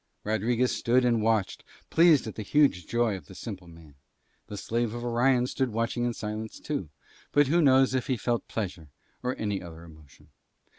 Rodriguez stood and watched, pleased at the huge joy of the simple man. The Slave of Orion stood watching in silence too, but who knows if he felt pleasure or any other emotion?